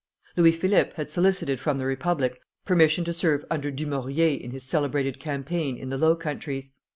Louis Philippe had solicited from the Republic permission to serve under Dumouriez in his celebrated campaign in the Low Countries.